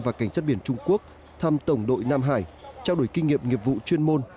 và cảnh sát biển trung quốc thăm tổng đội nam hải trao đổi kinh nghiệm nghiệp vụ chuyên môn